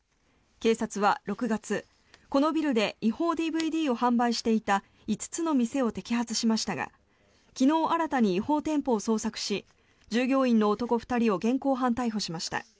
警察は６月このビルで違法ＤＶＤを販売していた５つの店を摘発しましたが昨日、新たに違法店舗を捜索し従業員の男２人を現行犯逮捕しました。